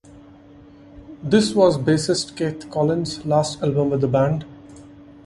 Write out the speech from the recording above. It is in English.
This was bassist Keith Collins's last album with the band.